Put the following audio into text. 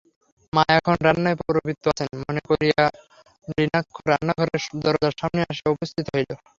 মা এখন রান্নায় প্রবৃত্ত আছেন মনে করিয়া নলিনাক্ষ রান্নাঘরের দরজার সামনে আসিয়া উপস্থিত হইল।